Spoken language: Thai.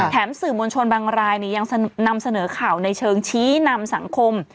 สื่อมวลชนบางรายยังนำเสนอข่าวในเชิงชี้นำสังคม